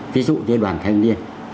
ví dụ như đoàn thanh niên